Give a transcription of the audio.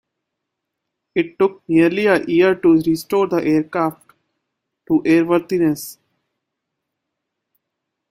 It took nearly a year to restore the aircraft to airworthiness.